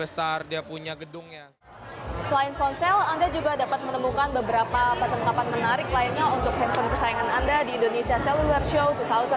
selain ponsel anda juga dapat menemukan beberapa perlengkapan menarik lainnya untuk handphone kesayangan anda di indonesia celluar show dua ribu delapan belas